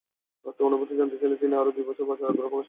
অনুভূতি জানতে চাইলে তিনি আরও দুই বছর বাঁচার আগ্রহ প্রকাশ করেন।